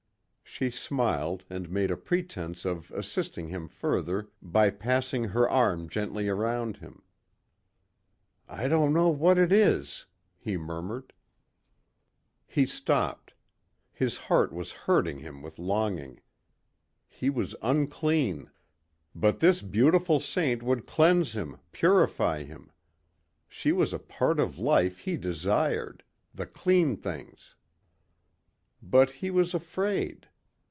She smiled and made a pretense of assisting him further by passing her arm gently around him. "I don't know what it is," he murmured. He stopped. His heart was hurting him with longing. He was unclean. But this beautiful saint would cleanse him, purify him. She was a part of life he desired the clean things. But he was afraid.